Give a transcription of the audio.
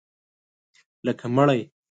لکه مړی